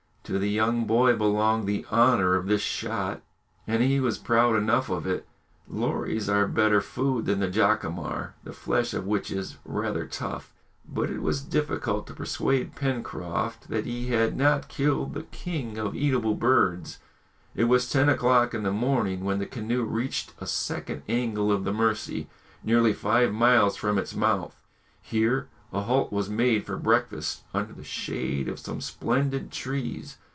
To the young boy belonged the honour of this shot, and he was proud enough of it. Lories are better food than the jacamar, the flesh of which is rather tough, but it was difficult to persuade Pencroft that he had not killed the king of eatable birds. It was ten o'clock in the morning when the canoe reached a second angle of the Mercy, nearly five miles from its mouth. Here a halt was made for breakfast under the shade of some splendid trees.